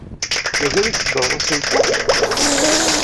Mazal-ik teddreḍ a Sysko?